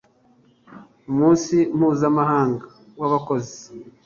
umunsi mpuzamahanga w'abakozi